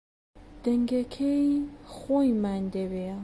دەنگەکەی خۆیمان دەوێ